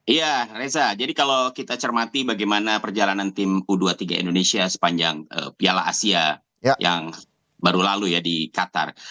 iya reza jadi kalau kita cermati bagaimana perjalanan tim u dua puluh tiga indonesia sepanjang piala asia yang baru lalu ya di qatar